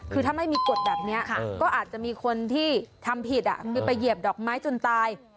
คือถ้าไม่มีกฎแบบนี้ก็อาจจะมีคนที่ทำผิดคือไปเหยียบดอกไม้จนตาย